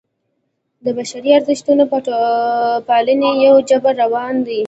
د بشري ارزښتونو په پالنې یو جبر روان دی.